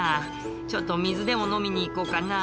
「ちょっと水でも飲みに行こうかな」